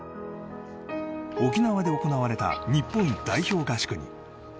沖縄で行われた日本代表合宿に。